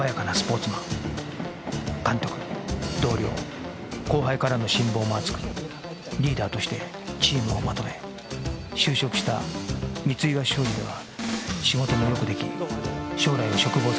監督同僚後輩からの信望も厚くリーダーとしてチームをまとめ就職した三岩商事では仕事もよく出来将来を嘱望されていました